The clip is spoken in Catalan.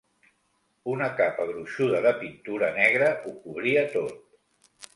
Una capa gruixuda de pintura negra ho cobria tot.